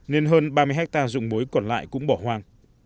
nên hơn ba mươi hectare dụng muối còn lại cũng bỏ hoang